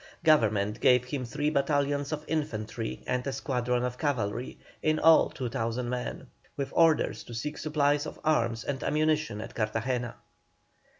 Government gave him three battalions of infantry and a squadron of cavalry, in all 2,000 men, with orders to seek supplies of arms and ammunition at Cartagena.